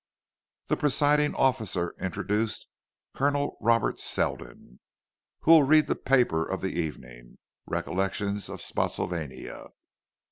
The presiding officer introduced "Colonel Robert Selden, who will read the paper of the evening: 'Recollections of Spottsylvania.